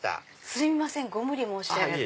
すいませんご無理申し上げて。